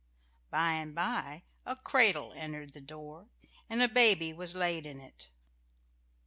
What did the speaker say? By and by a cradle entered the door, and a baby was laid in it....